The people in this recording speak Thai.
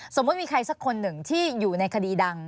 สมมุติมีใครสักคนหนึ่งที่อยู่ในคดีดัง